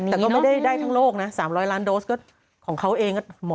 แต่ก็ไม่ได้ได้ทั้งโลกนะ๓๐๐ล้านโดสก็ของเขาเองก็หมด